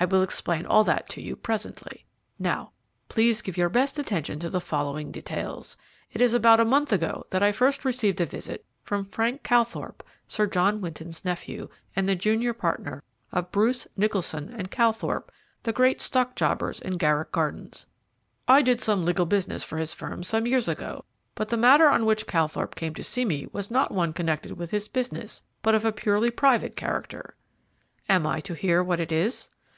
I will explain all that to you presently. Now, please, give your best attention to the following details. It is about a month ago that I first received a visit from Frank Calthorpe, Sir John Winton's nephew, and the junior partner of Bruce, Nicholson, & Calthorpe, the great stockjobbers in Garrick Gardens. I did some legal business for his firm some years ago, but the matter on which Calthorpe came to see me was not one connected with his business, but of a purely private character." "Am I to hear what it is?"